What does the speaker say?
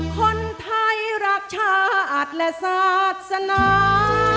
คนไทยรักชาติและศาสนา